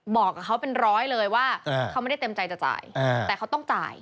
บอกกับเขาเป็นร้อยเลยว่าเขาไม่ได้เต็มใจจะจ่ายแต่เขาต้องจ่าย